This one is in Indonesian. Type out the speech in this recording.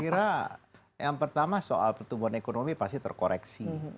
saya kira yang pertama soal pertumbuhan ekonomi pasti terkoreksi